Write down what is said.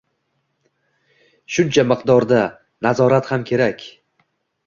shuncha miqdorda... nazorat ham kerak.